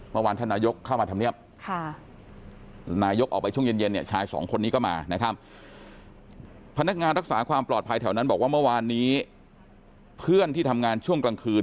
เมื่อวานท่านนายกเข้ามาทำเนียบพนักงานรักษาความปลอดภัยแถวนั้นบอกว่าเมื่อวานนี้เพื่อนที่ทำงานช่วงกลางคืน